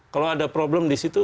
kalau ada problem disitu